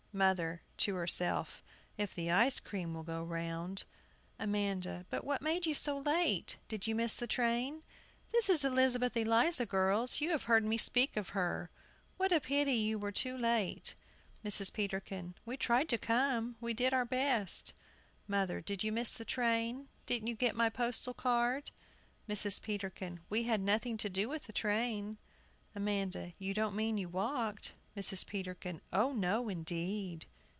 MOTHER [to herself ]. If the ice cream will go round. AMANDA. But what made you so late? Did you miss the train? This is Elizabeth Eliza, girls you have heard me speak of her. What a pity you were too late! MRS. PETERKIN. We tried to come; we did our best. MOTHER. Did you miss the train? Didn't you get my postal card? MRS. PETERKIN. We had nothing to do with the train. AMANDA. You don't mean you walked? MRS. PETERKIN. O no, indeed!